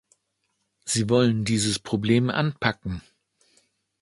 Sie wollen dieses Problem anpacken.